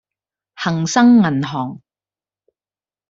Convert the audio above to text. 恒生銀行